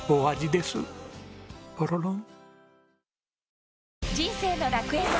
ポロロン。